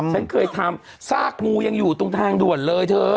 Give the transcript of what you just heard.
ฉันเคยทำซากงูยังอยู่ตรงทางด่วนเลยเธอ